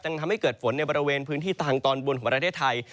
ทำให้เกิดฝนในบริเวณพื้นที่ทางตอนบนของประเทศไทย